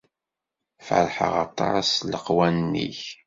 Ferrḥeɣ aṭas s leqwanen-ik.